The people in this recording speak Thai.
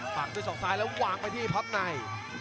ปักด้วยศอกซ้ายแล้ววางไปที่พับใน